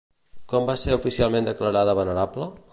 Quan va ser oficialment declarada venerable?